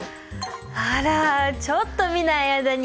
あらちょっと見ない間に。